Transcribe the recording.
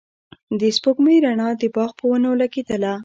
د سپوږمۍ رڼا د باغ په ونو لګېدله.